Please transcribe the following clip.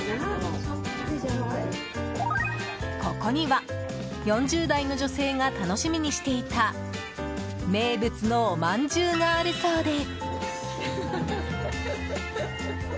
ここには４０代の女性が楽しみにしていた名物のおまんじゅうがあるそうで。